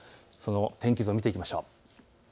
その天気図を見ていきましょう。